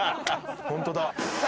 ホントだ。